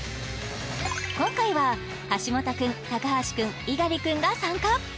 今回は橋本君橋君猪狩君が参加